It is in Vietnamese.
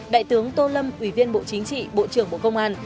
đại tướng tô lâm ủy viên bộ chính trị bộ trưởng bộ công an